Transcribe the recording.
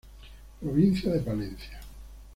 Provincia de Palencia.